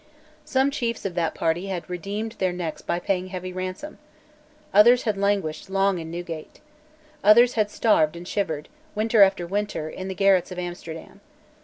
Some chiefs of that party had redeemed their necks by paying heavy ransom. Others had languished long in Newgate. Others had starved and shivered, winter after winter, in the garrets of Amsterdam.